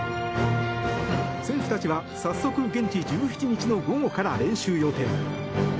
選手たちは早速現地１７日の午後から練習予定。